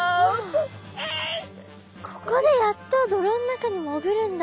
ここでやっと泥の中に潜るんだ。